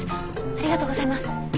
ありがとうございます。